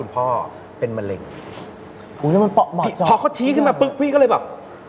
พ่อเขาชี้ขึ้นมาปุ๊บคือเลยแบบ